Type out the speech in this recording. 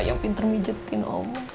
yang pinter mijetin oma